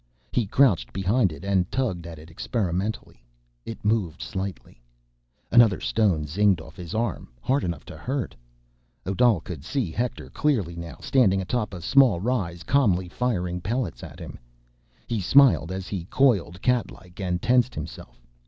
He crouched behind it and tugged at it experimentally. It moved slightly. Another stone zinged off his arm, hard enough to hurt. Odal could see Hector clearly now, standing atop a small rise, calmly firing pellets at him. He smiled as he coiled, catlike, and tensed himself.